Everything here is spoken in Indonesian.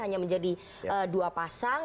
hanya menjadi dua pasang